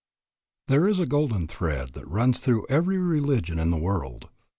There is a golden thread that runs through every religion in the world.